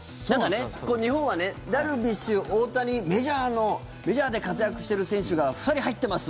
日本はねダルビッシュ、大谷メジャーで活躍してる選手が２人入ってます！